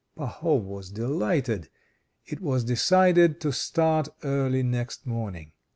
Pahom was delighted. It was decided to start early next morning.